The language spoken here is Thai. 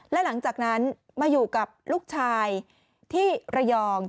และหลังจากนั้นมาอยู่กับลูกชายที่ระยอง